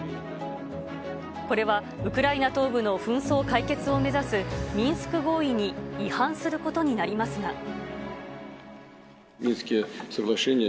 これはウクライナ東部の紛争解決を目指すミンスク合意に違反することになりますが。